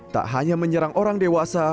tak hanya menyerang orang dewasa